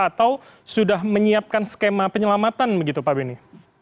atau sudah menyiapkan skema penyelamatan begitu pak beni